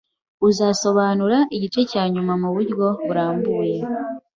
Uzasobanura igice cyanyuma muburyo burambuye?